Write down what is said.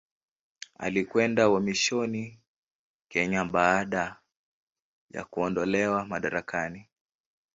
Alikwenda uhamishoni Kenya baada ya kuondolewa madarakani.